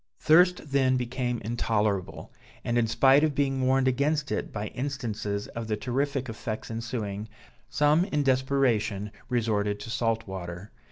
Thirst then became intolerable; and in spite of being warned against it by instances of the terrific effects ensuing, some in desperation resorted to salt water.